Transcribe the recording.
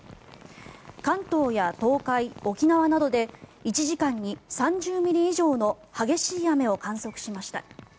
関東や東海、沖縄などで１時間に３０ミリ以上の激しい雨を観測しました。